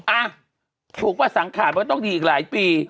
อ่ะถูกว่าสังขาดว่าต้องดีอีกหลายปี